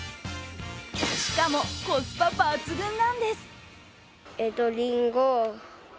しかも、コスパ抜群なんです。